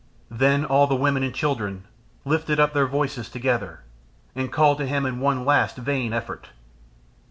Then all the women and children lifted up their voices together, and called to him in one last vain effort.